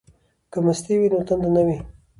که مستې وي نو تنده نه وي.